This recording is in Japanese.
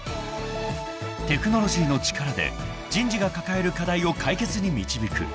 ［テクノロジーの力で人事が抱える課題を解決に導く］